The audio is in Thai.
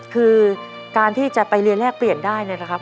คือการที่จะไปเรียนแลกเปลี่ยนได้เนี่ยนะครับ